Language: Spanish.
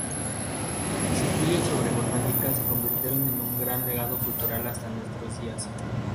Sus estudios sobre botánica se convirtieron en un gran legado cultural hasta nuestros días.